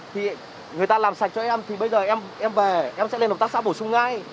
thì người ta làm sạch cho em thì bây giờ em về em sẽ lên hợp tác xã bổ sung ngay